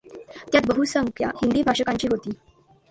त्यात बहुसंख्या हिंदी भाषिकांची होती.